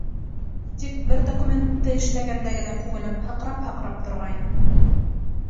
Тик бер документты эшләгәндә генә күңелем һыҡрап-һыҡрай торғайны.